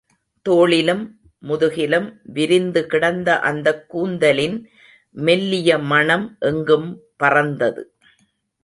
தோளிலும், முதுகிலும் விரிந்து கிடந்த அந்தக் கூந்தலின் மெல்லியமணம் எங்கும் பறந்தது.